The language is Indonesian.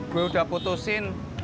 gue udah putusin